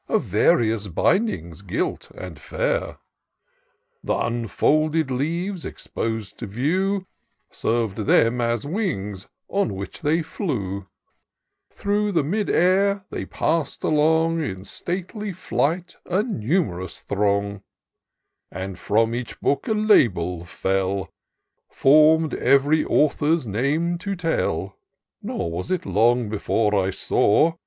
In various bindings gilt and fair : Th' unfolded leaves, expos'd to view, Serv'd them as wings on which they flew, Through the mid air they passed along, In stately flight, a num*rous throng ; And from each book a label fell, Form'd ev'ry author's name to tell ! Nor was it long before I saw.